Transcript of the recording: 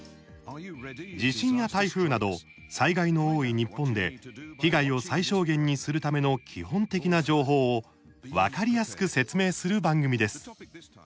地震や台風など災害の多い日本で被害を最小限にするための基本的な情報を分かりやすく説明する番組です。